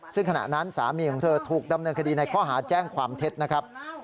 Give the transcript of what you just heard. ซึ่งขณะนั้นสามีของเธอถูกดำเนินคดีในข้อหาแจ้งความเท็จนะครับ